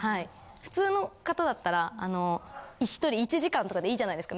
普通の方だったらあの１人１時間とかでいいじゃないですか。